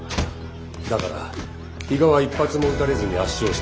だから比嘉は一発も打たれずに圧勝した。